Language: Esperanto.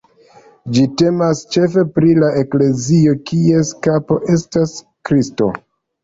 Ĝi temas ĉefe pri la eklezio, kies kapo estas Kristo.